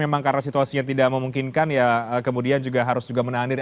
memang karena situasi yang tidak memungkinkan ya kemudian juga harus menahan diri